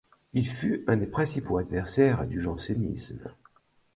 Il fut un des principaux adversaires du jansénisme.